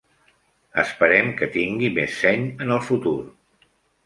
Esperem que tingui més seny en el futur.